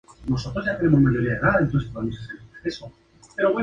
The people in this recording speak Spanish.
En esta presentación se recomienda elevar la cantidad de líquidos ingeridos.